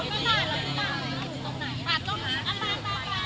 ถามตรงไหน